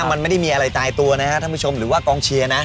มันไม่ได้มีอะไรตายตัวนะครับท่านผู้ชมหรือว่ากองเชียร์นะ